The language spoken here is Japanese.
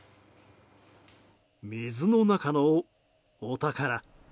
水の中のお宝。